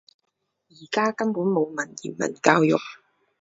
而家根本冇文言文教育